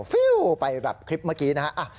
ฟิวไปแบบคลิปเมื่อกี้นะฮะ